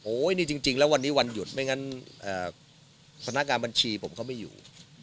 นี่จริงแล้ววันนี้วันหยุดไม่งั้นพนักงานบัญชีผมก็ไม่อยู่